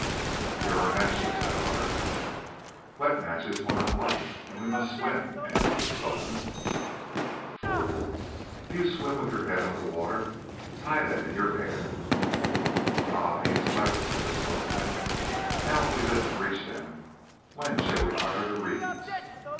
"Here are matches," said Otter. "Wet matches will not light, and we must swim," answered the spokesman. "Fool, do you then swim with your head under water? Tie them in your hair." "Ah! he is clever," said the spokesman. "Now, if we live to reach them, when shall we fire the reeds?"